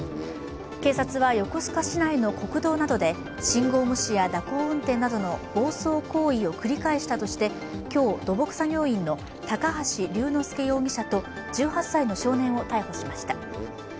警察は横須賀市内の国道などで信号無視や蛇行運転などの暴走行為を繰り返したとして今日、土木作業員の高橋隆之介容疑者と１８歳の少年を逮捕しました。